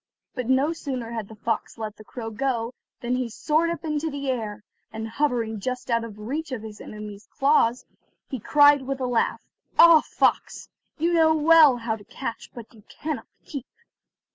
But no sooner had the fox let the crow go than he soared up into the air, and hovering just out of teach of his enemy's jaws, he cried with a laugh: "Ah, fox! you know well how to catch, but you cannot keep."